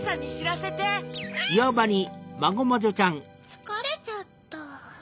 つかれちゃった。